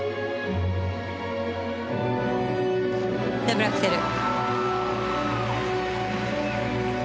ダブルアクセル。